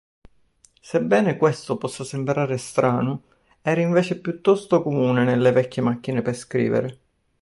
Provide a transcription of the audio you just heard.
Sebbene questo possa sembrare strano, era invece piuttosto comune nelle vecchie macchine per scrivere.